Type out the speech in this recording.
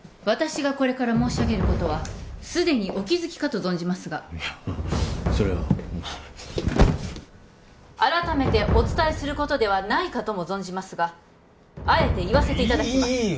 私がこれから申し上げることはすでにお気づきかと存じますがいやそれはまあ改めてお伝えすることではないかとも存じますがあえて言わせていただきます